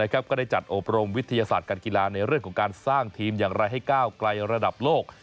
ก็ได้จัดอบรมวิทยาศาสตร์การกีฬาในเรื่องของการสร้างทีมอย่างไรให้ก้าวไกลระดับโลก